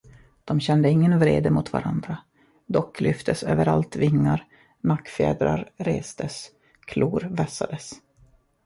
De kände ingen vrede mot varandra, dock lyftes överallt vingar, nackfjädrar restes, klor vässades.